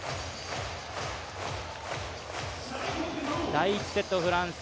第１セット、フランス。